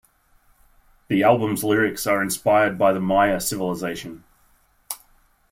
The album's lyrics are inspired by the Maya civilization.